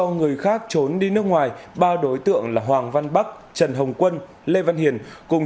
người khác trốn đi nước ngoài ba đối tượng là hoàng văn bắc trần hồng quân lê văn hiền cùng